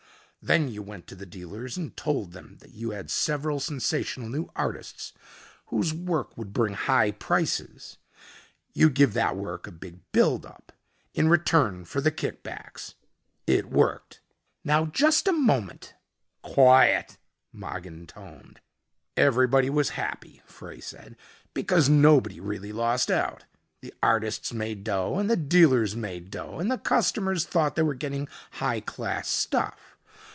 Then you went to the dealers and told them that you had several sensational new artists whose work would bring high prices. You'd give that work a big build up in return for the kick backs. It worked." "Now just a moment " "Quiet," Mogin toned. "Everybody was happy," Frey said, "because nobody really lost out. The artists made dough and the dealers made dough and the customers thought they were getting high class stuff.